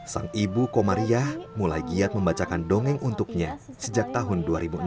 sang ibu komariah mulai giat membacakan dongeng untuknya sejak tahun dua ribu enam